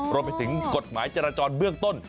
รวมไปถึงกฎหมายจราจรเบื้องต้น